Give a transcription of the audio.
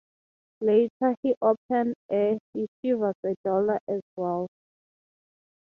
Later he opened a "Yeshiva Gedola" as well.